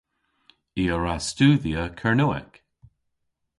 I a wra studhya Kernewek.